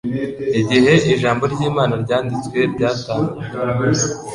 Igihe Ijambo ry'Imana ryanditswe ryatangwaga,